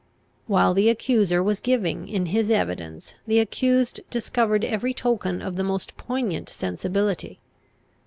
While the accuser was giving in his evidence, the accused discovered every token of the most poignant sensibility.